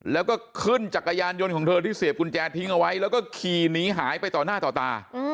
แล้วก็ขึ้นจักรยานยนต์ของเธอที่เสียบกุญแจทิ้งเอาไว้แล้วก็ขี่หนีหายไปต่อหน้าต่อตา